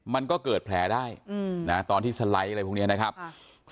มันก็เกิดแผลได้อืมนะตอนที่สไลด์อะไรพวกนี้นะครับ